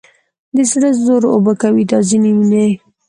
د زړه زور اوبه کوي دا ځینې مینې